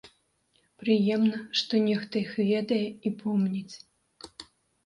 Прыемна, што нехта іх ведае і помніць.